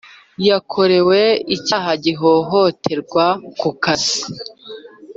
yakorerwe icyaha cy ihohoterwa ku kazi